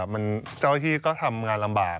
มีเคสขึ้นสารเพื่อแบบ